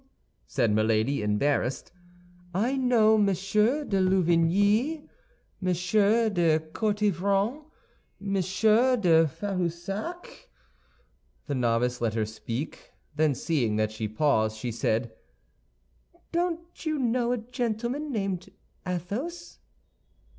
said Milady, embarrassed, "I know Monsieur de Louvigny, Monsieur de Courtivron, Monsieur de Ferussac." The novice let her speak, then seeing that she paused, she said, "Don't you know a gentleman named Athos?"